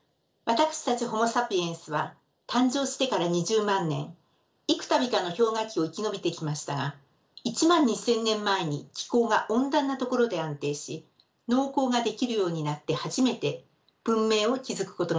私たちホモ・サピエンスは誕生してから２０万年幾たびかの氷河期を生き延びてきましたが１万２，０００年前に気候が温暖なところで安定し農耕ができるようになって初めて文明を築くことができました。